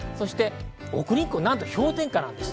奥日光、なんと氷点下なんです。